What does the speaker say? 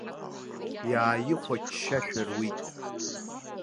Иааихәаччашәа руит.